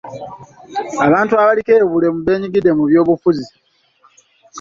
Abantu abaliko obulemu beenyigidde mu byobufuzi.